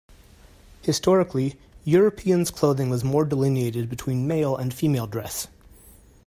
Historically, Europeans clothing was more delineated between male and female dress.